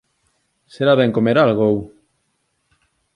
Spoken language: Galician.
Será ben comer algo, ou?